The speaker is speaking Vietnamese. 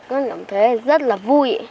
con cảm thấy rất là vui